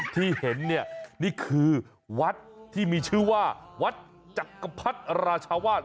ที่เห็นเนี่ยนี่คือวัดที่มีชื่อว่าวัดจักรพรรดิราชาวาส